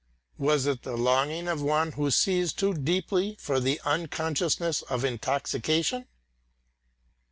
Was it the longing of one who sees too deeply for the unconsciousness of intoxication?